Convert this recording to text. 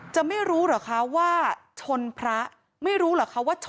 จะไม่รู้หรือ